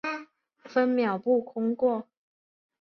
分秒不空过